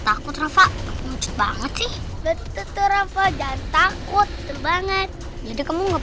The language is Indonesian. takut banget sih takut banget jadi kamu takut